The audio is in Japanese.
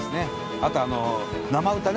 あとは、生歌ね。